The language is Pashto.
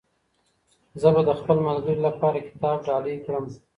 زه به د خپل ملګري لپاره کتاب ډالۍ کړم.